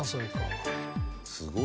「すごい。